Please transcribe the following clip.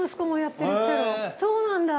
そうなんだ！